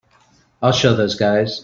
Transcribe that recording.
I'll show those guys.